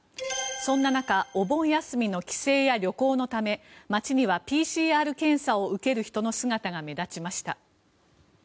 そんな中お盆休みの帰省や旅行のため街にはＰＣＲ検査を受ける人の姿が目立ちました。